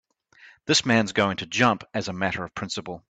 This man's going to jump as a matter of principle.